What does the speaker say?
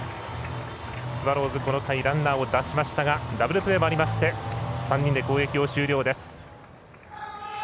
スワローズ、この回ランナーを出しましたがダブルプレーもありまして３人で攻撃を終了です。